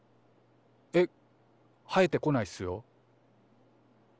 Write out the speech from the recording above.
えっ生えてこないっすよ。